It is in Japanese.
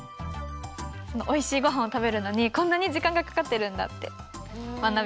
おいしいごはんをたべるのにこんなにじかんがかかってるんだってまなびました。